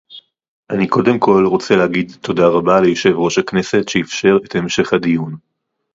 אני קודם כול רוצה להגיד תודה רבה ליושב-ראש הכנסת שאפשר את המשך הדיון